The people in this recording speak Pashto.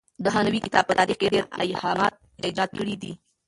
د هانوې کتاب په تاریخ کې ډېر ابهامات ایجاد کړي دي.